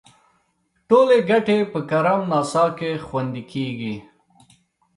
ټولې ګټې په کرم ناسا کې خوندي کیږي.